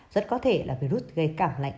rất có thể là virus gây cảng lạnh